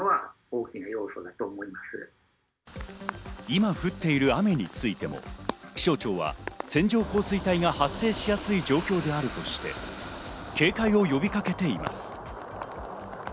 今降っている雨についても気象庁は線状降水帯が発生しやすい状況であるとして警戒を呼びかけています。